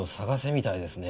みたいですね